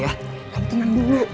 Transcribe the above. kamu tenang dulu